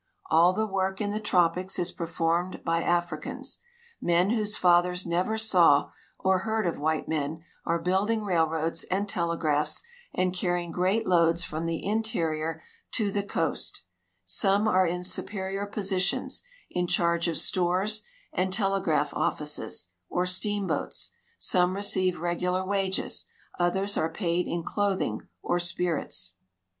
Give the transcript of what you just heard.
All the work in the tropics is performed by Africans ; men whose fathers never saw or heard of white men are building railroads and tele graphs and carrying great loads from the interior to the coast ; some are in suj)erior positions, in charge of stores and telegraph offices or steamboats ; some receive regular wages ; others are paid in clothing or spirits.